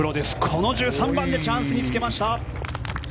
この１３番でチャンスにつけました！